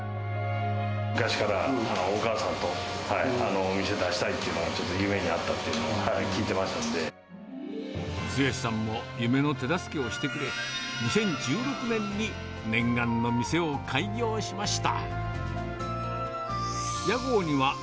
昔から、お母さんと店出したいというの、夢にあったというのを、聞いてま剛さんも夢の手助けをしてくれ、２０１６年に念願の店を開業しました。